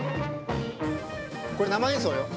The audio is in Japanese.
これ生演奏よ。